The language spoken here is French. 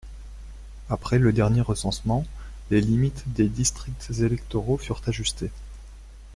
Après le dernier recensement, les limites des districts électoraux furent ajustés.